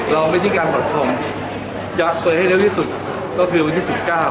เราไม่ได้การปรับทรงจะเปิดให้เร็วที่สุดก็คือวันที่๑๙